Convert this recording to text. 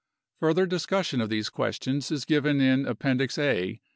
Further discussion of these questions is given in Appendix A (p.